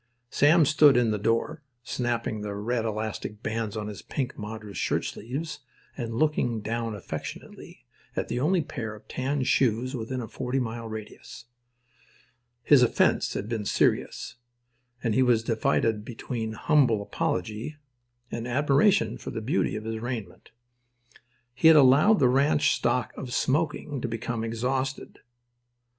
Sam stood in the door, snapping the red elastic bands on his pink madras shirtsleeves and looking down affectionately at the only pair of tan shoes within a forty mile radius. His offence had been serious, and he was divided between humble apology and admiration for the beauty of his raiment. He had allowed the ranch stock of "smoking" to become exhausted.